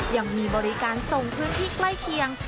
ยังมีบริการส่งพื้นที่ใกล้เคียง